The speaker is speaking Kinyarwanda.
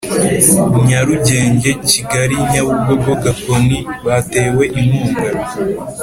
Nyarugenge Kigali Nyabugogo Gakoni batewe inkunga